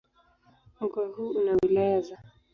Mkoa huu una wilaya za